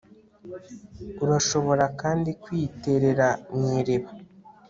Urashobora kandi kwiterera mu iriba